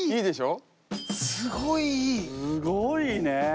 すごいね。